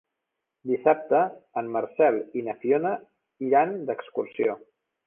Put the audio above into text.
Dissabte en Marcel i na Fiona iran d'excursió.